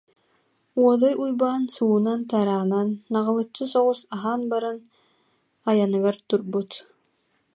Уодай Уйбаан суунан-тараанан, наҕылыччы соҕус аһаан баран, айаныгар турбут